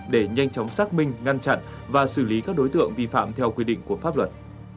để nhanh chóng xác minh ngăn chặn và xử lý các đối tượng vi phạm theo quy định của pháp luật